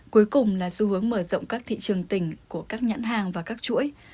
cuối cùng là xu hướng mở rộng các thị trường tỉnh của các nhãn hàng và các chuỗi